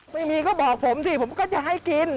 ไม่มีก็บอกผมสิผมก็จะให้กิน